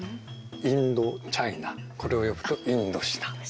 インドチャイナこれを呼ぶとインドシナ。